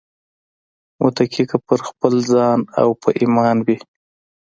متکي که پر خپل ځان او په ايمان وي